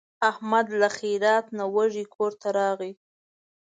احمد له خیرات نه وږی کورته راغی.